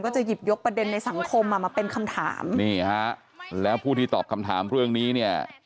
จะหยิบยกประเด็นในสังคมอ่ะมาเป็นคำถามนี่ฮะแล้วผู้ที่ตอบคำถามเรื่องนี้เนี่ย